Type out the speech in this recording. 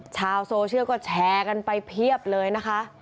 ชาวโซเชียลก็แชร์กันไปเพียบเลยนะคะ